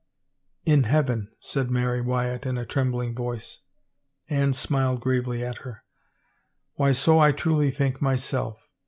" In heaven," said Mary Wyatt in a trembling voice. Anne smiled gravely at her. " Why so I truly think myself.